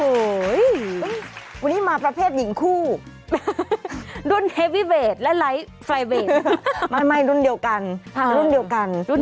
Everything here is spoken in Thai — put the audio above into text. โอ้โหวันนี้มาประเภทหญิงคู่รุ่นเควิเวทและไลฟ์ไฟเวทไม่รุ่นเดียวกันรุ่นเดียวกันรุ่น